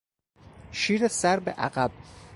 شیر سر به عقب